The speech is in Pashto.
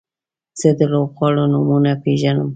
زه د لوبغاړو نومونه پیژنم.